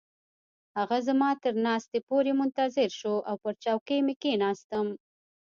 هغه زما تر ناستې پورې منتظر شو او پر چوکۍ مې کښیناستم.